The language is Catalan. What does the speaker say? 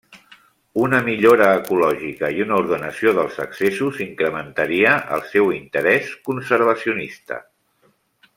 Una millora ecològica i una ordenació dels accessos incrementaria el seu interès conservacionista.